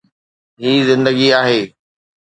هي زندگي آهي.